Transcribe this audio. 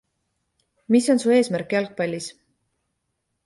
Mis on su eesmärk jalgpallis?